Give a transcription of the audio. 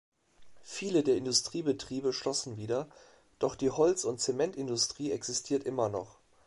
Viele der Industriebetriebe schlossen wieder, doch die Holz- und Zementindustrie existiert immer noch.